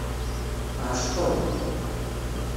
Tɛecqeḍ.